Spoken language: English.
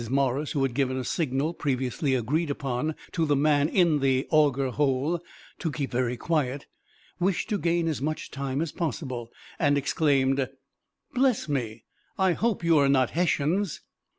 Morris, who had given a signal, previously agreed upon, to the man in the "Auger Hole," to keep very quiet, wished to gain as much time as possible, and exclaimed: "Bless me! I hope you are not Hessians."